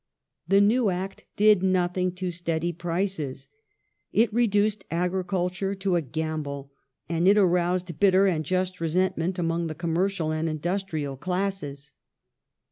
The new Act did nothing to steady prices ; it reduced agriculture to a gamble ; and it ai'oused bitter and just resentment among the commercial and industrial classes.